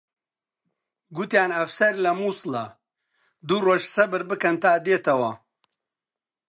گوتیان ئەفسەر لە مووسڵە، دوو ڕۆژ سەبر بکەن تا دێتەوە